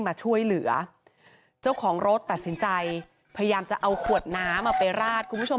พยายามจะเอาขวดน้ำมาไปราดคุณผู้ชม